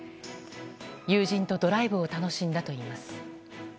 友人とドライブを楽しんだといいます。